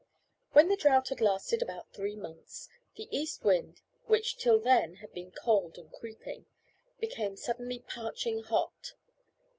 When the drought had lasted about three months, the east wind, which till then had been cold and creeping, became suddenly parching hot.